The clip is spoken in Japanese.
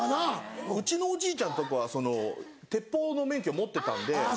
うちのおじいちゃんとかは鉄砲の免許持ってたんで。